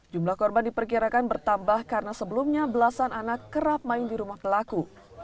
jumlah korban diperkirakan bertambah karena sebelumnya belasan anak kerap main di rumah pelaku